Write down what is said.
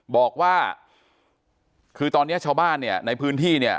บอกว่าคือตอนนี้ชาวบ้านเนี่ยในพื้นที่เนี่ย